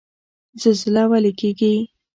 زلزله ولې کیږي؟